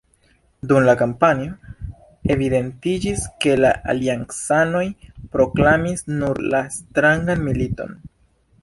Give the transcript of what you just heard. Dum la kampanjo evidentiĝis ke la aliancanoj proklamis nur la strangan militon.